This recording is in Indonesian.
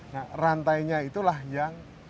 nah rantainya itulah yang